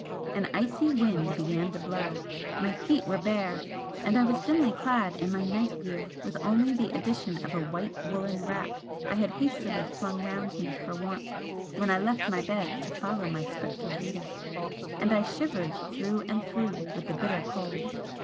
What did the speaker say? An icy wind began to blow, my feet were bare, and I was thinly clad in my night gear with only the addition of a white woollen wrap I had hastily flung round me for warmth when I left my bed to follow my spectral leader and I shivered through and through with the bitter cold.